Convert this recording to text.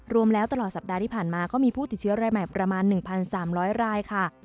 รวมแล้วตลอดสัปดาห์ที่ผ่านมาก็มีผู้ติดเชื้อรายใหม่ประมาณ๑๓๐๐รายค่ะ